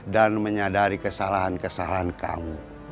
dan menyadari kesalahan kesalahan kamu